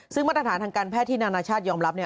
ซึ่งมาตรฐานทางการแพทย์ที่นานาชาติยอมรับ